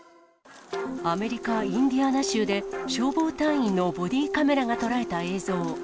アメリカ・インディアナ州で、消防隊員のボディーカメラが捉えた映像。